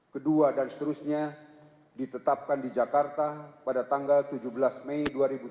kedua dan seterusnya ditetapkan di jakarta pada tanggal tujuh belas mei dua ribu tujuh belas